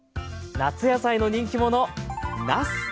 夏野菜の人気者なす！